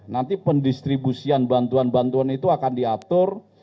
nanti pendistribusian bantuan bantuan itu akan diatur